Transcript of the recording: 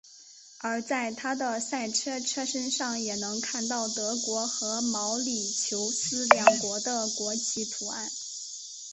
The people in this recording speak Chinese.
而在他的赛车车身上也能看到德国和毛里求斯两国的国旗图案。